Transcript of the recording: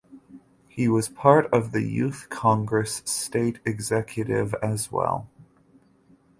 He was part of the Youth Congress State Executive as well.